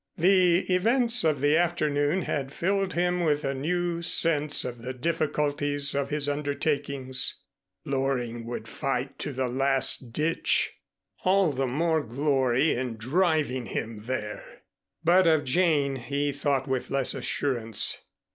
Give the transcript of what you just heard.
The events of the afternoon had filled him with a new sense of the difficulties of his undertakings. Loring would fight to the last ditch. All the more glory in driving him there! But of Jane he thought with less assurance.